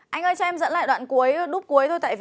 anh ơi cho em dẫn lại đoạn cuối đúp cuối thôi